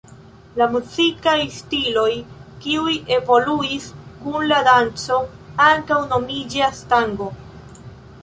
La muzikaj stiloj, kiuj evoluis kun la danco, ankaŭ nomiĝas tango.